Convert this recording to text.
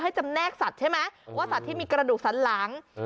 จำแนกสัตว์ใช่ไหมว่าสัตว์ที่มีกระดูกสันหลัง